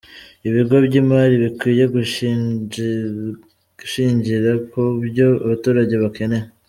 Ibigo by’imari bikwiye gushingira ku byo abaturage bakeneye.